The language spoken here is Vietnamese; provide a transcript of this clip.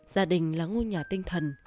gia đình là ngôi nhà tinh thần